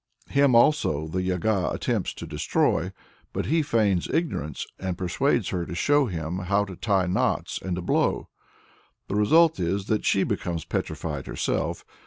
Him also the Yaga attempts to destroy, but he feigns ignorance, and persuades her to show him how to tie knots and to blow. The result is that she becomes petrified herself.